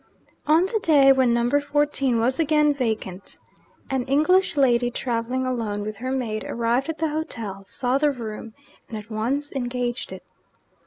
On the day when Number Fourteen was again vacant, an English lady travelling alone with her maid arrived at the hotel, saw the room, and at once engaged it.